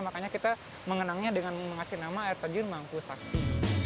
makanya kita mengenangnya dengan mengasih nama air terjun mangkusakti